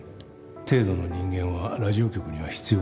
程度の人間はラジオ局には必要ない。